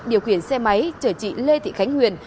điều khiển xe máy chở chị lê thị khánh huyền